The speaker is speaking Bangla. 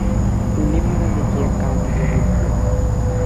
টুনি মারা দেখিয়া কঁদিয়া উঠিল।